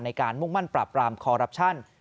ในการมุ่งมั่นปราบรามคอรับชัน